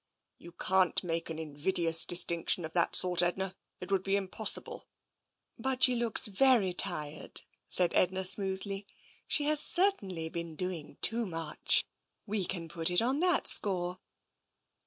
" You can't make an invidious distinction of that sort, Edna. It would be impossible." " But she looks very tired," said Edna smoothly. " She has certainly been doing too much. We can put it on that score."